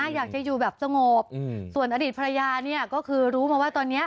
อยากจะอยู่แบบสงบส่วนอดีตภรรยาเนี่ยก็คือรู้มาว่าตอนนี้